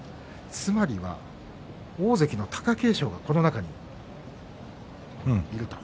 つまりは大関の貴景勝がこの中にいると。